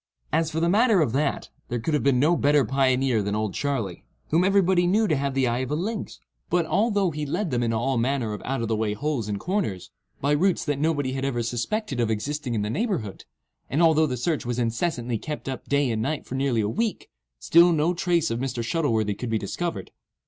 As for the matter of that, there could have been no better pioneer than "Old Charley," whom everybody knew to have the eye of a lynx; but, although he led them into all manner of out of the way holes and corners, by routes that nobody had ever suspected of existing in the neighbourhood, and although the search was incessantly kept up day and night for nearly a week, still no trace of Mr. Shuttleworthy could be discovered.